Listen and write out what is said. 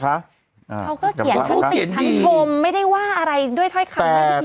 เขาก็เขียนคำติดทั้งชมไม่ได้ว่าอะไรด้วยท้อยคำดีด้วย